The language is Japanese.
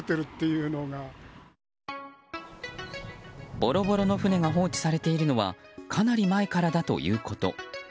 ボロボロの船が放置されているのはかなり前からだということ。